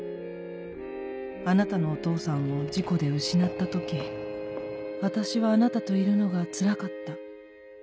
あなたのお父さんを事故で失った時あたしはあなたといるのがつらかった。